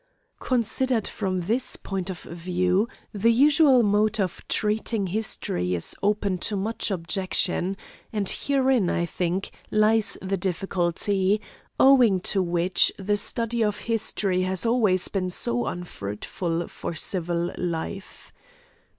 Considered from this point of view, the usual mode of treating history is open to much objection, and herein, I think, lies the difficulty, owing to which the study of history has always been so unfruitful for civil life.